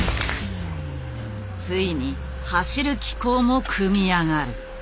ついに走る機構も組み上がる。